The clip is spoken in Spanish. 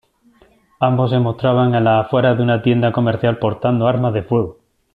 Ambos se mostraban en las afueras de una tienda comercial portando armas de fuego.